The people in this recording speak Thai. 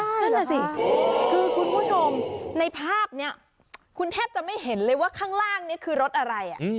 คุณผู้ชมในภาพนี้คุณแทบจะไม่เห็นเลยว่าข้างล่างนี้คือรถอะไร